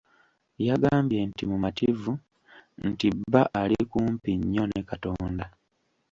Yagambye nti mumativu nti bba ali kumpi nnyo ne Katonda.